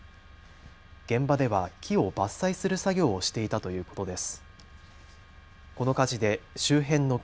現場では木を伐採する作業をしていたということです。